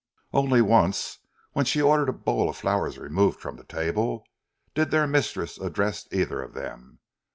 Only once, when she ordered a bowl of flowers removed from the table, did their mistress address either of them.